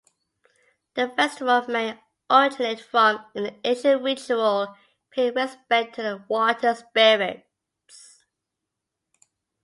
The festival may originate from an ancient ritual paying respect to the water spirits.